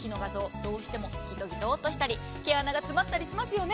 どうしてもギトギトとしたり毛穴が詰まったりしますよね。